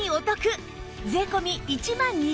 税込１万２８００円